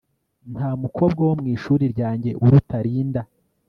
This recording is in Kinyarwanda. nta mukobwa wo mu ishuri ryanjye uruta linda